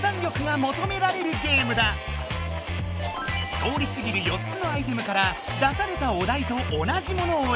通りすぎる４つのアイテムから出されたお題と同じものを選ぶ。